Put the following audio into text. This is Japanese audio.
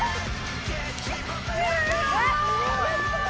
すごい。